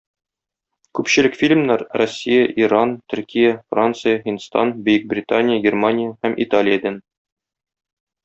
Күпчелек фильмнар - Россия, Иран, Төркия, Франция, Һиндстан, Бөекбритания, Германия һәм Италиядән.